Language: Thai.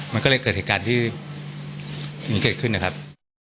มันก็เลยเกิดการที่อย่างนี้เกิดขึ้นนะครับ